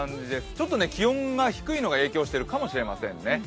ちょっと気温が低いのが影響してるかもしれませんね。